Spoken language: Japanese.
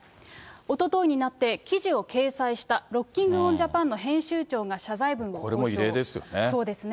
おとといになって記事を掲載したロッキング・オン・ジャパンの編これも異例ですよね。